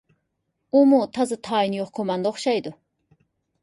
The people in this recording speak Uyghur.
ئۇمۇ تازا تايىنى يوق كوماندا ئوخشايدۇ.